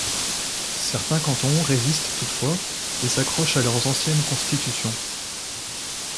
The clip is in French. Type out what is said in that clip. Certains cantons résistent toutefois et s'accrochent à leurs anciennes constitutions.